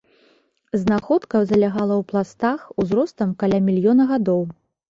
Знаходка залягала у пластах, узростам каля мільёна гадоў.